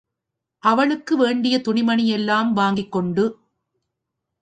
அவளுக்கு வேண்டிய துணிமணி எல்லாம் வாங்கிக்கொண்டு.